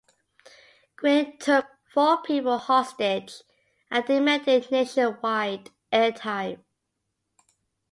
Gwin took four people hostage and demanded nationwide airtime.